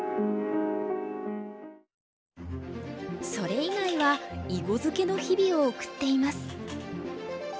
それ以外は囲碁漬けの日々を送っています。